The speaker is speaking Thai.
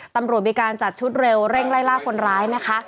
ตำรวจมีการจัดชุดเร็วเร่งไล่ล่าคนร้ายนะคะ